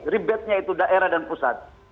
ribetnya itu daerah dan pusat